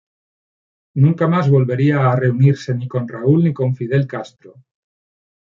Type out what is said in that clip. Nunca más volvería a reunirse ni con Raúl ni con Fidel Castro.